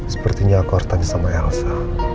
sepertinya aku harus tanya sama elsa